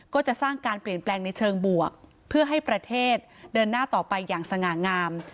ก็จะสร้างการเปลี่ยนแปลงในเชิงบวกเพื่อให้ประเทศเดินหน้าต่อไปอย่างสง่างาม